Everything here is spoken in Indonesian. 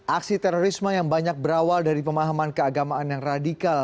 aksi terorisme yang banyak berawal dari pemahaman keagamaan yang radikal